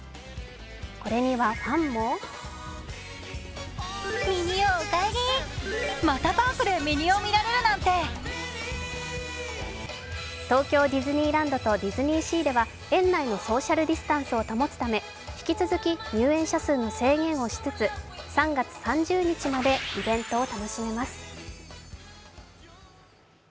これにはファンも東京ディズニーランドとディズニーシーでは園内のソーシャルディスタンスを保つため引き続き入園者数の制限をしつつ、３月３０日までイベントを楽しめます。